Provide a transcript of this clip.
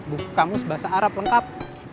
buku kamu sebahasa arab lengkap